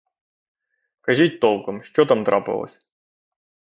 Кажіть толком — що там трапилось?